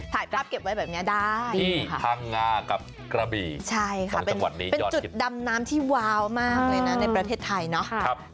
ถ่ายภาพเก็บไว้แบบนี้ได้พังงากับกระบี่ใช่ค่ะเป็นจุดดำน้ำที่วาวมากเลยนะในประเทศไทยเนาะ